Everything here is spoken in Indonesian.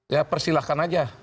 ya persilahkan aja